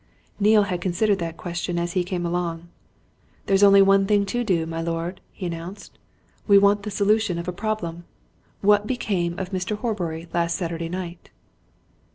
Neale had considered that question as he came along. "There's only one thing to do, my lord," he answered. "We want the solution of a problem: what became of Mr. Horbury last Saturday night?"